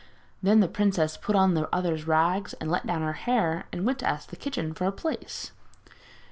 Then the princess put on the other's rags and let down her hair, and went to the kitchen to ask for a place.